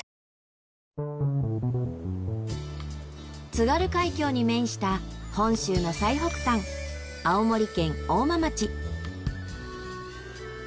津軽海峡に面した本州の最北端青森県大間町。